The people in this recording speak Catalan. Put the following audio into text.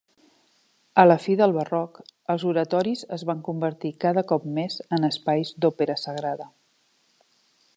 A la fi del barroc, els oratoris es van convertir cada cop més en espais d'òpera sagrada.